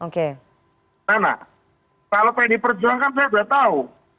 karena kalau saya diperjuangkan saya sudah tahu